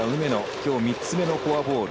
きょう３つ目のフォアボール。